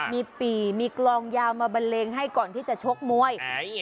มีปีมีกลองยาวมาบันเลงให้ก่อนที่จะชกมวย